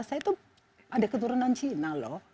saya tuh ada keturunan cina loh